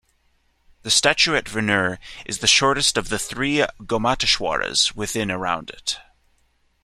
The staue at Venur is the shortest of the three Gommateshwaras within around it.